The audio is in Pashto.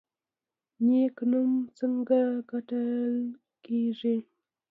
نیک نوم څنګه ګټل کیږي؟